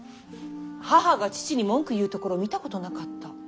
母が父に文句言うところ見たことなかった。